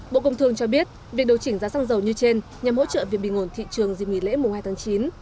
bộ công thương cho biết việc điều chỉnh giá xăng dầu như trên nhằm hỗ trợ việc bình ổn thị trường dịp nghỉ lễ mùng hai tháng chín